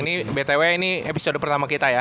ini btw ini episode pertama kita ya